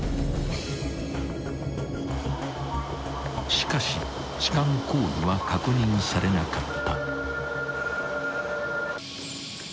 ［しかし痴漢行為は確認されなかった］